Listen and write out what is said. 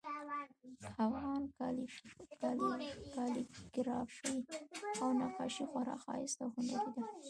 افغان کالیګرافي او نقاشي خورا ښایسته او هنري ده